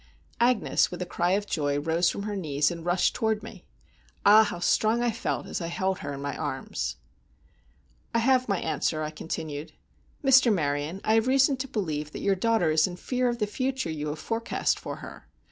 Agnes, with a cry of joy, rose from her knees, and rushed toward me. Ah! how strong I felt as I held her in my arms! "I have my answer," I continued. "Mr. Maryon, I have reason to believe that your daughter is in fear of the future you have forecast for her.